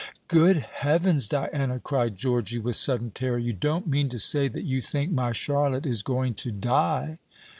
"Good heavens, Diana!" cried Georgy, with sudden terror; "you don't mean to say that you think my Charlotte is going to die?"